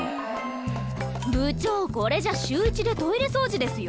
部長これじゃ週１でトイレ掃除ですよ！